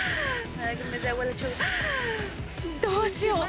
どうしよう！